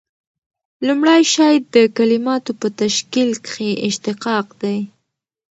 لومړی شی د کلیماتو په تشکیل کښي اشتقاق دئ.